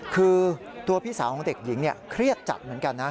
คือตัวพี่สาวของเด็กหญิงเครียดจัดเหมือนกันนะ